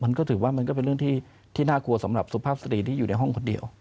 มันก็ถือว่ามันก็เป็นเรื่องที่น่ากลัวสำหรับสุภาพสตรีที่อยู่ในห้องคนเดียว